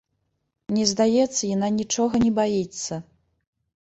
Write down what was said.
Мне здаецца, яна нічога не баіцца.